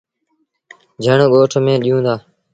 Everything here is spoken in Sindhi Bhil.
جھڻ ڳوٺ ميݩ ڏيوٚن دآ۔